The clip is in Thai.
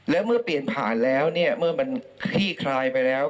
แล้วเมื่อเปลี่ยนผ่านแล้วเนี่ยเมื่อมันคลี่คลายไปแล้ว